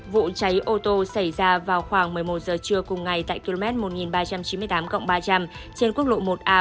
vụ cháy ô tô xảy ra vào khoảng một mươi một giờ trưa cùng ngày tại km một nghìn ba trăm chín mươi tám ba trăm linh trên quốc lộ một a